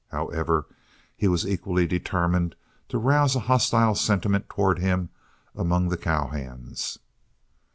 However, he was equally determined to rouse a hostile sentiment towards him among the cowhands.